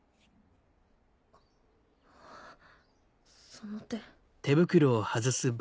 その手。